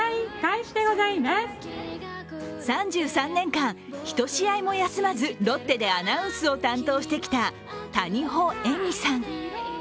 ３３年間、１試合も休まずロッテでアナウンスを担当してきた谷保恵美さん。